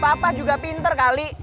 papa juga pinter kali